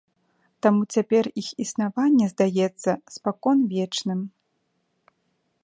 Таму цяпер іх існаванне здаецца спаконвечным.